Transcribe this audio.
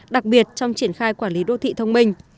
đặc biệt trong triển khai quản lý đô thị thông minh